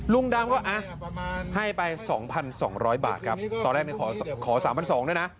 ลุงดำก็ให้ไป๒๒๐๐บาทครับตอนแรกขอ๓๒๐๐ด้วยนะ